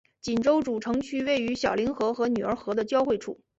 锦州主城区位于小凌河和女儿河的交汇处。